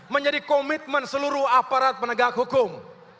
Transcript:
menjadi komitmen seluruh aparat penegak hukum